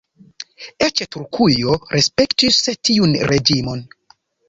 Eĉ Turkujo respektis tiun reĝimon.